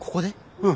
うん。